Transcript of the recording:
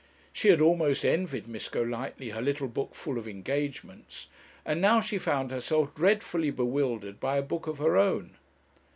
She had almost envied Miss Golightly her little book full of engagements, and now she found herself dreadfully bewildered by a book of her own.